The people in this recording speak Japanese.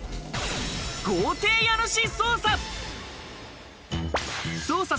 豪邸家主捜査。